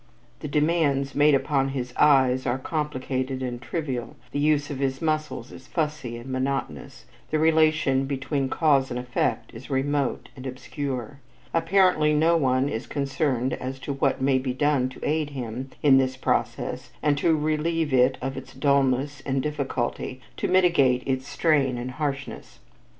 The demands made upon his eyes are complicated and trivial, the use of his muscles is fussy and monotonous, the relation between cause and effect is remote and obscure. Apparently no one is concerned as to what may be done to aid him in this process and to relieve it of its dullness and difficulty, to mitigate its strain and harshness.